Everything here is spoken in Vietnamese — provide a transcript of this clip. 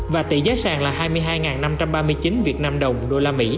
và tỷ giá sàng là hai mươi hai năm trăm ba mươi chín vnđ usd